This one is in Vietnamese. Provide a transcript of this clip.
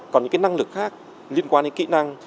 còn những cái năng lực khác liên quan đến kỹ năng